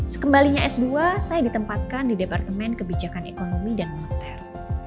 sekembalinya s dua saya ditempatkan di departemen kebijakan ekonomi dan moneter